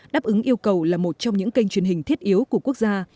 đáp ứng yêu cầu là một trong những kênh truyền hình thiết yếu của quốc gia